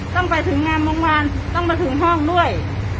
ต้องไปถึงงานโรงพยาบาลต้องมาถึงห้องด้วย